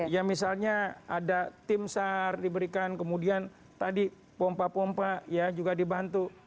ya misalnya ada tim sar diberikan kemudian tadi pompa pompa ya juga dibantu